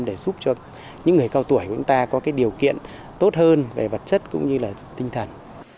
để giúp cho những người cao tuổi của chúng ta có điều kiện tốt hơn về vật chất cũng như là tinh thần